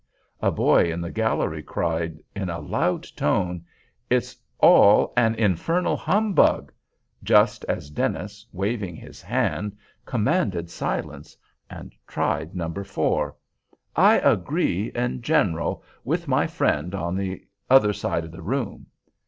A boy in the gallery cried in a loud tone, "It's all an infernal humbug," just as Dennis, waving his hand, commanded silence, and tried No. 4: "I agree, in general, with my friend the other side of the room."